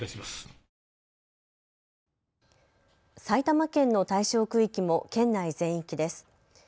埼玉県の対象区域も県内全域です。